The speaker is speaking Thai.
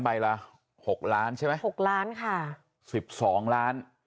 ใบละหกล้านใช่ไหมหกล้านค่ะสิบสองล้าน